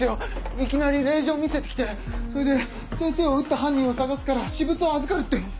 いきなり令状見せて来てそれで先生を撃った犯人を捜すから私物を預かるって。